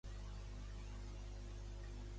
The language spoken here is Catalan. Un grup de noies joves caminant per carrer.